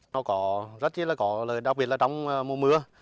nó có rất chí là có đặc biệt là trong mùa mưa